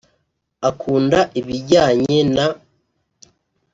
Akunda ibijyanye n